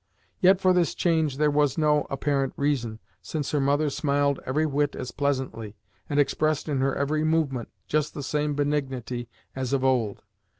Yet for this change there was no apparent reason, since her mother smiled every whit as pleasantly, and expressed in her every movement just the same benignity, as of old.